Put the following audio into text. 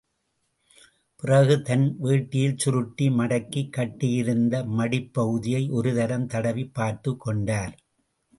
பிறகு தன் வேட்டியில் சுருட்டி மடக்கிக் கட்டியிருந்த மடிப் பகுதியை ஒரு தரம் தடவிப் பார்த்துக் கொண்டார்.